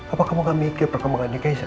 apa kamu gak mikir perkembangannya keisha